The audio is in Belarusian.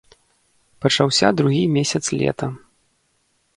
Пачаўся другі месяц лета.